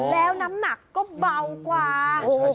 แล้วน้ำหนักก็เบากว่า